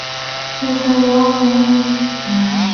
她回归后带来了一轮特别的钢琴独奏巡演。